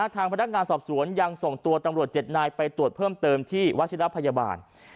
ทางพนักงานสอบสวนยังส่งตัวตำรวจ๗นายไปตรวจเพิ่มเติมที่วัชิระพยาบาล